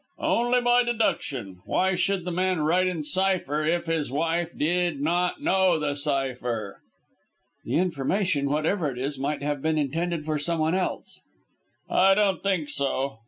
"Only by deduction. Why should the man write in a cypher if his wife did not know the cypher?" "The information, whatever it is, might have been intended for someone else." "I don't think so.